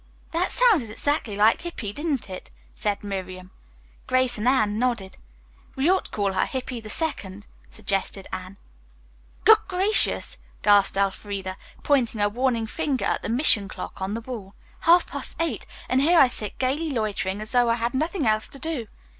"That sounded exactly like Hippy, didn't it?" said Miriam. Grace and Anne nodded. "We ought to call her Hippy the Second," suggested Anne. "Good gracious!" gasped Elfreda, pointing a warning finger at the mission clock on the wall. "Half past eight, and here I sit gayly loitering as though I had nothing else to do.